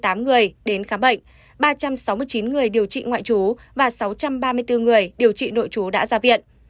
trong số bốn tám trăm năm mươi tám người đến khám bệnh ba trăm sáu mươi chín người điều trị ngoại trú và sáu trăm ba mươi bốn người điều trị nội trú đã ra viện